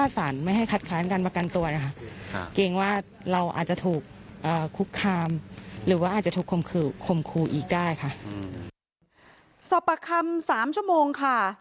สอบปากคำ๓ชั่วโมงค่ะ